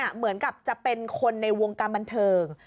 เหมือนกับจะเป็นคนในวงการบันเทิง